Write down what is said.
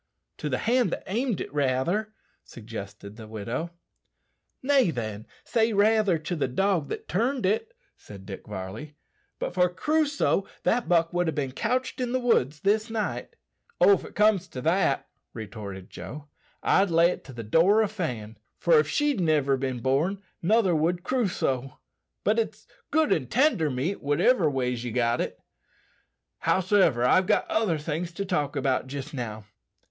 "To the hand that aimed it, rather," suggested the widow. "Nay, then, say raither to the dog that turned it," said Dick Varley. "But for Crusoe, that buck would ha' bin couched in the woods this night." "Oh! if it comes to that," retorted Joe, "I'd lay it to the door o' Fan, for if she'd niver bin born nother would Crusoe. But it's good an' tender meat, whativer ways ye got it. Howsiver, I've other things to talk about jist now.